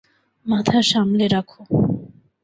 মাথা সামলে রাখো!